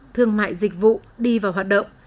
thương mại dịch vụ đi và hoạt động